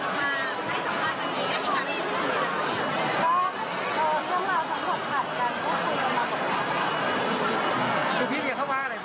คุณผู้สามารถได้คิดคุณผู้สามารถได้คิด